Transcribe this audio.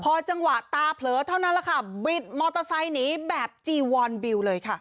พอจังหวะตาเผลอเท่านั้นแหละค่ะบิดมอเตอร์ไซค์หนีแบบจีวอนบิวเลยค่ะ